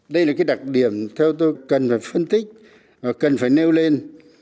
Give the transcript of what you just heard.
đây là cái đặc điểm theo tôi cần phải phân tích cần phải nêu lên